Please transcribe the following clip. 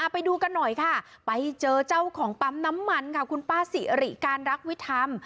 ไปดูกันหน่อยค่ะไปเจอเจ้าของปั๊มน้ำมันค่ะคุณป้าสิริการรักวิธรรม